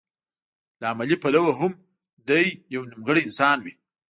له عملي پلوه هم دی يو نيمګړی انسان وي.